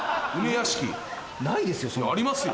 ありますよ。